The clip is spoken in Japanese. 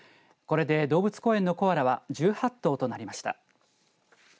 これで動物公園のコアラは１８頭となりました。